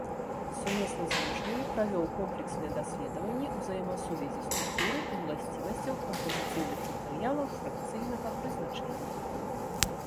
Сумесна з вучнямі правёў комплексныя даследаванні ўзаемасувязі структуры і уласцівасцяў кампазіцыйных матэрыялаў фрыкцыйнага прызначэння.